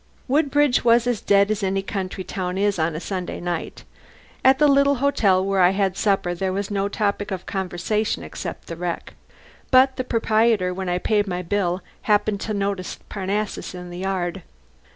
Woodbridge was as dead as any country town is on Sunday night. At the little hotel where I had supper there was no topic of conversation except the wreck. But the proprietor, when I paid my bill, happened to notice Parnassus in the yard.